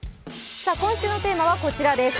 今週のテーマはこちらです。